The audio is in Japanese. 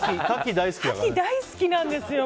カキ大好きなんですよ。